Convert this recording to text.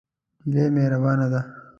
نجلۍ مهربانه ده.